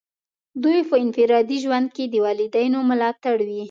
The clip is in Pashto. دوی په انفرادي ژوند کې د والدینو ملاتړ وي.